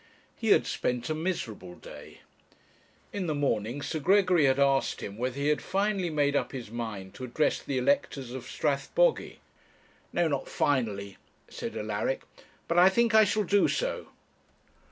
He had spent a miserable day. In the morning Sir Gregory had asked him whether he had finally made up his mind to address the electors of Strathbogy. 'No, not finally,' said Alaric, 'but I think I shall do so.'